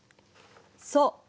そう。